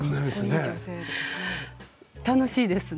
楽しいですね